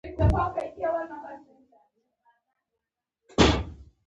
که له خلکو سره ښه یې، ټولنه به تا هم ښه ومني.